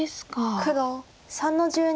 黒３の十二。